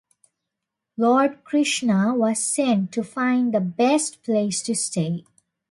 Lord Krishna was sent to find the best place to stay.